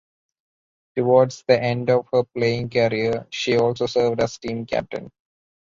Towards the end of her playing career she also served as team captain.